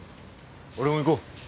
俺も行こう。